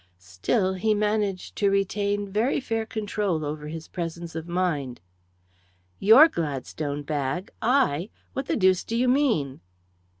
Still, he managed to retain very fair control over his presence of mind. "Your Gladstone bag! I! What the deuce do you mean?"